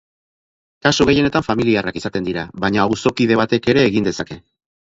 Kasu gehienetan familiarrak izaten dira, baina auzokide batek ere egin dezake.